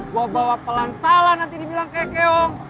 gue bawa pelan salah nanti dibilang kekeong